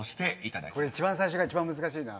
一番最初が一番難しいな。